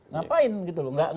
ngapain gitu loh